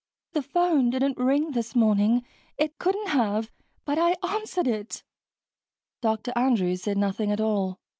"The phone didn't ring this morning it couldn't have but I answered it." Dr. Andrews said nothing at all.